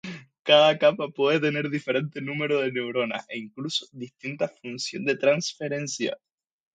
Cada capa puede tener diferente número de neuronas, e incluso distinta función de transferencia.